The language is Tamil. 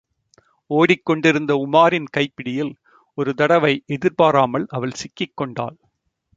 ஒடிக் கொண்டிருந்த உமாரின் கைப்பிடியில் ஒரு தடவை எதிர்பாராமல் அவள் சிக்கிக்கொண்டாள்.